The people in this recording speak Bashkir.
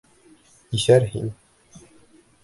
— Иҫәр һин.